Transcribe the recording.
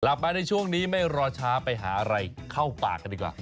กลับมาในช่วงนี้ไม่รอช้าไปหาอะไรเข้าปากกันดีกว่า